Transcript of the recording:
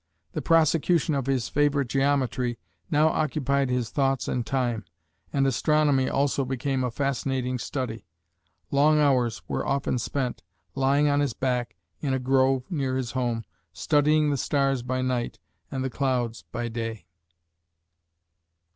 The prosecution of his favorite geometry now occupied his thoughts and time, and astronomy also became a fascinating study. Long hours were often spent, lying on his back in a grove near his home, studying the stars by night and the clouds by day.